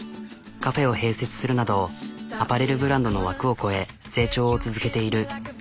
カフェを併設するなどアパレルブランドの枠を超え成長を続けている。